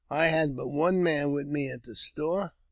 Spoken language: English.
I had but one man with me in the store.